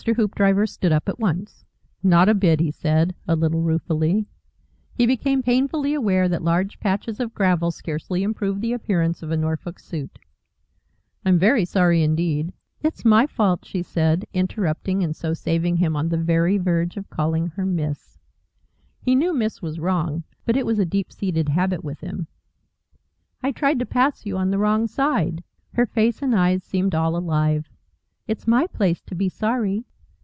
Hoopdriver stood up at once. "Not a bit," he said, a little ruefully. He became painfully aware that large patches of gravel scarcely improve the appearance of a Norfolk suit. "I'm very sorry indeed " "It's my fault," she said, interrupting and so saving him on the very verge of calling her 'Miss.' (He knew 'Miss' was wrong, but it was deep seated habit with him.) "I tried to pass you on the wrong side." Her face and eyes seemed all alive. "It's my place to be sorry."